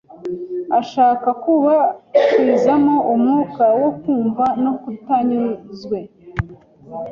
ashaka kubakwizamo umwuka wo kumva ko batanyuzwe.